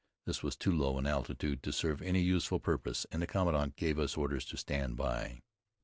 This was too low an altitude to serve any useful purpose, and the commandant gave us orders to stand by.